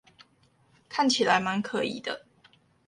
看起來滿可疑的